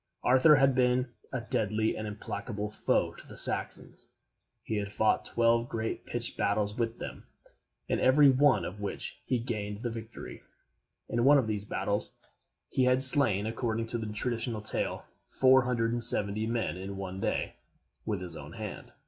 Arthur had been a deadly and implacable foe to the Saxons. He had fought twelve great pitched battles with them, in every one of which he had gained the victory. In one of these battles he had slain, according to the traditional tale, four hundred and seventy men, in one day, with his own hand.